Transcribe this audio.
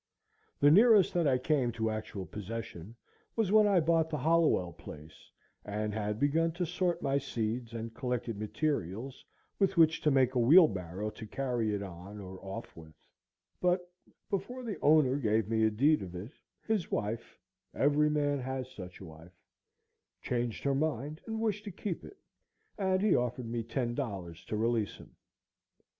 The nearest that I came to actual possession was when I bought the Hollowell place, and had begun to sort my seeds, and collected materials with which to make a wheelbarrow to carry it on or off with; but before the owner gave me a deed of it, his wife—every man has such a wife—changed her mind and wished to keep it, and he offered me ten dollars to release him.